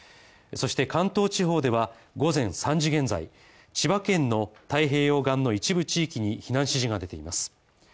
そして関東地方では、午前３時現在、千葉県の太平洋岸の一部地域に避難指示が出ています。